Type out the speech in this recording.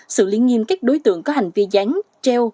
sự liên nghiêm các đối tượng có hành vi gián treo